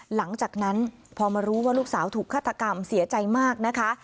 หลังจากนั้นพอมารู้ว่าลูกสาวถูกฆาตกรรมเสียใจมากนะคะ